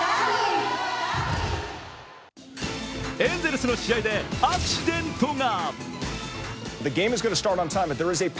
エンゼルスの試合でアクシデントが。